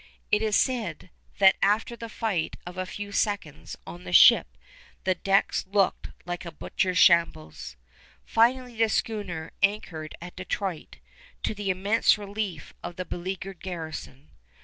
It is said that after the fight of a few seconds on the ship the decks looked like a butcher's shambles. Finally the schooner anchored at Detroit, to the immense relief of the beleaguered garrison.